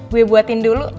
gue buatin dulu